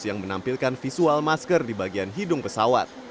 yang menampilkan visual masker di bagian hidung pesawat